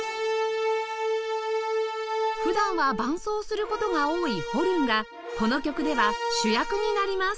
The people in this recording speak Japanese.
普段は伴奏する事が多いホルンがこの曲では主役になります